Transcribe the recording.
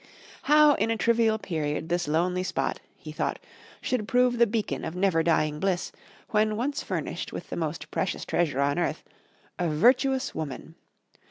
How in a trivial period this lonely spot, he thought, should prove the beacon of never dying bliss, when once furnished with the most precious treasure on earth a virtuous woman!